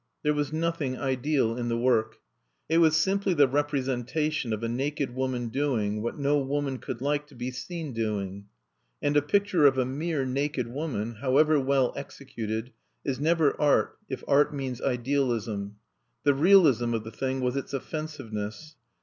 There was nothing ideal in the work. It was simply the representation of a naked woman doing what no woman could like to be seen doing. And a picture of a mere naked woman, however well executed, is never art if art means idealism. The realism of the thing was its offensiveness.